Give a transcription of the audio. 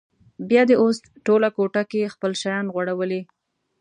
بیا دې اوس ټوله کوټه کې خپل شیان غوړولي.